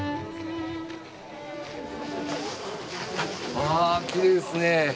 あきれいですね。